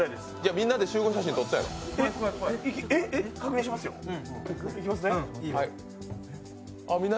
みんなで集合写真撮ったよな？